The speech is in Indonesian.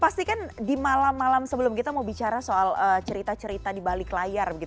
pastikan di malam malam sebelum kita mau bicara soal cerita cerita di balik layar